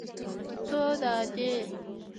_څو دانې ؟